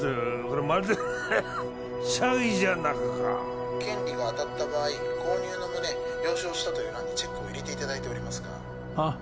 これまるで詐欺じゃなかか☎権利が当たった場合購入の旨☎了承したという欄にチェックを入れていただいておりますがはっ？